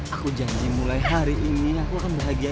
aku janji mulai hari ini aku akan bahagiain kamu